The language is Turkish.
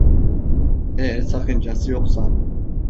Eğer sakıncası yoksa.